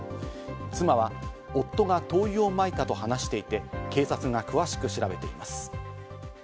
妻は、夫が灯油をまいたと話していて、警察が詳しく調べています。